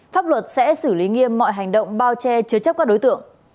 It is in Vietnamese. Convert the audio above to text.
pháp luật sẽ xử lý nghiêm mọi hành động bao che chứa chấp các đối tượng